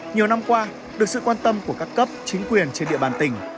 nhiều năm qua được sự quan tâm của các cấp chính quyền trên địa bàn tỉnh